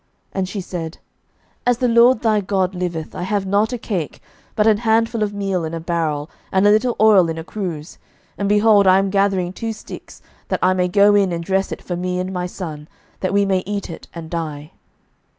11:017:012 And she said, As the LORD thy God liveth, I have not a cake, but an handful of meal in a barrel, and a little oil in a cruse: and, behold, I am gathering two sticks, that I may go in and dress it for me and my son, that we may eat it, and die.